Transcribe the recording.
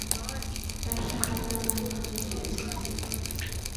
তাঁর সারা গা ঘামে ভিজে গেছে।